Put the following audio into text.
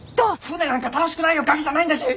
船なんか楽しくないよがきじゃないんだし。